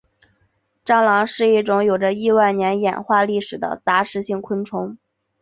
蟑螂是一种有着亿万年演化历史的杂食性昆虫。